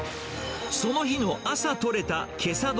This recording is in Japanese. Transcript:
その日の朝取れたけさ